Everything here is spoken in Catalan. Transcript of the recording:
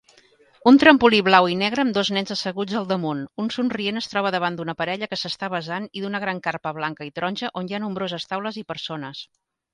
Un trampolí blau i negre amb dos nens asseguts al damunt, un somrient es troba davant d'una parella que s'està besant i d'una gran carpa blanca i taronja on hi ha nombroses taules i persones.